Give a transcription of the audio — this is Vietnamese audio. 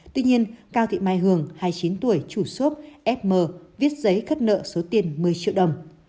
tuy nhiên cao thị mai hường hai mươi chín tuổi chủ xốp ép mờ viết giấy cất nợ số tiền một mươi triệu đồng